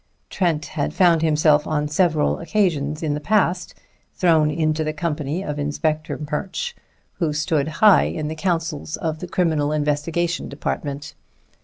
Trent had found himself on several occasions in the past thrown into the company of Inspector Murch, who stood high in the councils of the Criminal Investigation Department.